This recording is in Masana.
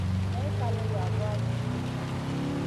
Nay kalèh yagoua zi suʼu.